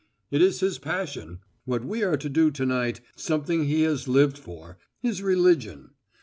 "It is his passion what we are to do to night something he has lived for his religion.